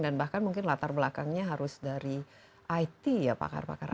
dan bahkan mungkin latar belakangnya harus dari it ya pakar pakar it